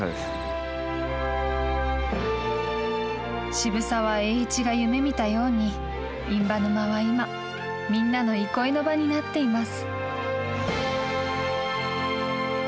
渋沢栄一が夢見たように印旛沼は今みんなの憩いの場になっています。